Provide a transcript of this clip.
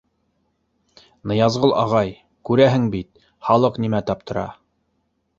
— Ныязғол ағай, күрәһең бит, халыҡ нимә таптыра?